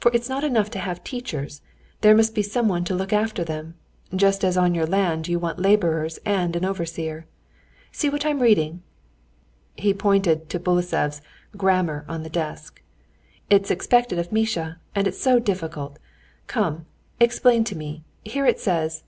For it's not enough to have teachers, there must be someone to look after them, just as on your land you want laborers and an overseer. See what I'm reading"—he pointed to Buslaev's Grammar on the desk—"it's expected of Misha, and it's so difficult.... Come, explain to me.... Here he says...."